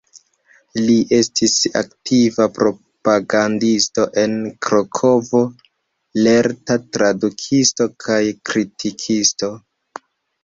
Li estis aktiva propagandisto en Krakovo, lerta tradukisto kaj kritikisto.